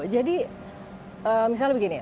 jadi misalnya begini